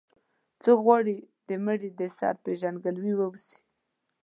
څوک غواړي د مړي د سر پېژندګلوي واوسي.